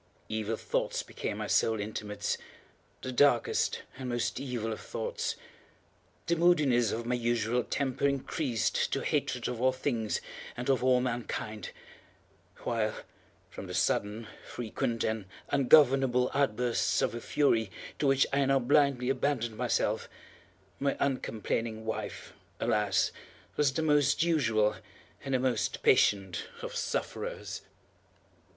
Evil thoughts became my sole intimates—the darkest and most evil of thoughts. The moodiness of my usual temper increased to hatred of all things and of all mankind; while, from the sudden, frequent, and ungovernable outbursts of a fury to which I now blindly abandoned myself, my uncomplaining wife, alas, was the most usual and the most patient of sufferers.